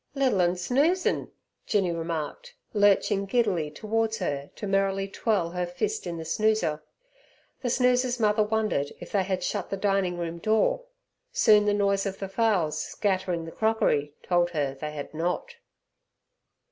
"Little 'un snoozin'!" Jinny remarked, lurching giddily towards her to merrily twirl her fist in the snoozer. The snoozer's mother wondered if they had shut the dining room door. Soon the noise of the fowls scattering the crockery told her they had not.